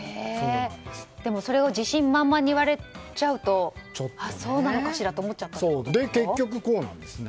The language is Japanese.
でもそれを自信満々に言われちゃうとあ、そうなのかしらと思っちゃったんですか。